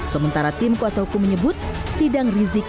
sementara tim kuasa hukum menyebut sidang rizik